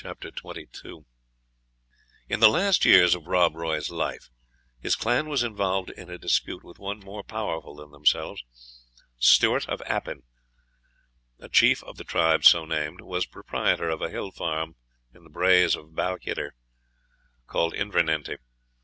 lxii, In the last years of Rob Roy's life, his clan was involved in a dispute with one more powerful than themselves. Stewart of Appin, a chief of the tribe so named, was proprietor of a hill farm in the Braes of Balquhidder, called Invernenty.